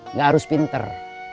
nggak harus pinter